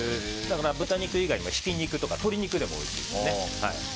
豚肉以外にもひき肉や鶏肉でもおいしいです。